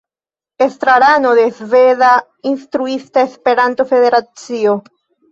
Estrarano de Sveda Instruista Esperanto-Federacio.